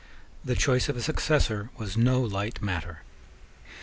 The choice of a successor was no light matter.